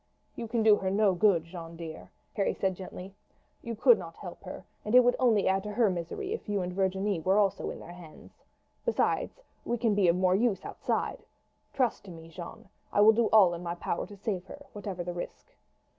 "You can do her no good, Jeanne, dear," Harry said gently. "You could not help her, and it would only add to her misery if Virginie and you were also in their hands. Besides, we can be of more use outside. Trust to me, Jeanne; I will do all in my power to save her, whatever the risk."